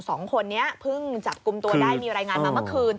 สองคนนี้เพิ่งจับกลุ่มตัวได้มีรายงานมาเมื่อคืน